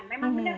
memang benar mbak